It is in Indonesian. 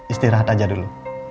istirahat aja dulu